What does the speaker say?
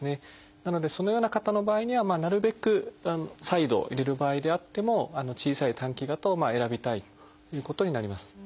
なのでそのような方の場合にはなるべく再度入れる場合であっても小さい短期型を選びたいということになります。